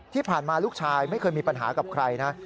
ที่ผ่านมาลูกชายไม่เคยมีปัญหากับใครนะ